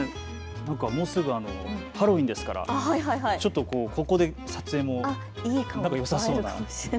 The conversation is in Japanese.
もうすぐハロウィーンですからちょっとここで撮影もよさそうですよね。